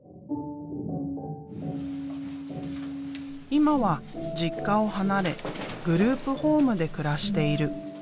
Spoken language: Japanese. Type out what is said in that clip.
今は実家を離れグループホームで暮らしている。